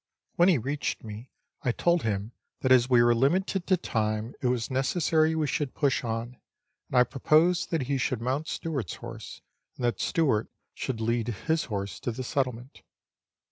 When he reached me, I told him that as we were limited to time, it was necessary we should push on, and I proposed that he should mount Stewart's horse, and that Stewart should lead his horse to the settlement.